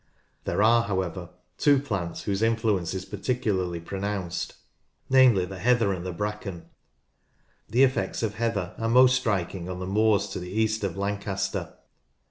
There are, however, two plants whose influence is par ticularly pronounced, namely the heather and the bracken. The effects of heather are most striking on the moors to the east of Lancaster.